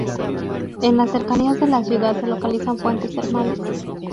En las cercanías de la ciudad se localizan fuentes termales.